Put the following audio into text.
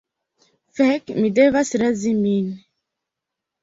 Fek' mi devas razi min